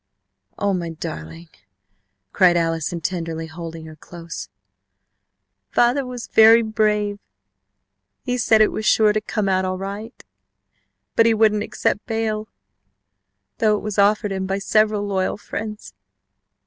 "Oh, my darling!" cried Allison, tenderly holding her close. "Father was very brave. He said it was sure to come out all right, but he wouldn't accept bail, though it was offered him by several loyal friends.